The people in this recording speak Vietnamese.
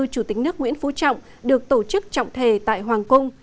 chủ tịch nước nguyễn phú trọng được tổ chức trọng thể tại hoàng cung